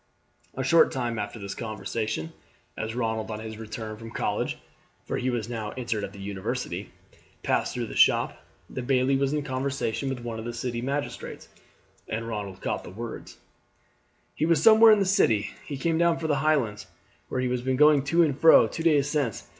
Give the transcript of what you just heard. A short time after this conversation, as Ronald on his return from college (for he was now entered at the university) passed through the shop, the bailie was in conversation with one of the city magistrates, and Ronald caught the words: "He is somewhere in the city. He came down from the Highlands, where he has been going to and fro, two days since.